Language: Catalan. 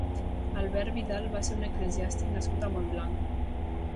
Albert Vidal va ser un eclesiàstic nascut a Montblanc.